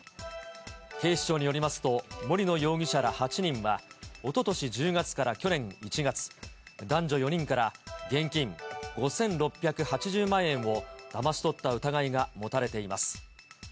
警視庁によりますと、森野容疑者ら８人は、おととし１０月から去年１月、男女４人から、現金５６８０万円をだまし取った疑いが持たれています。